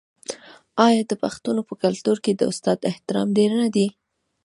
آیا د پښتنو په کلتور کې د استاد احترام ډیر نه دی؟